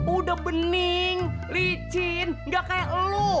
udah bening licin gak kayak ngeluh